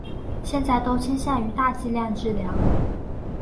现在都倾向于大剂量治疗。